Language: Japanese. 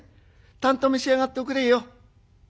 たんと召し上がっておくれよ。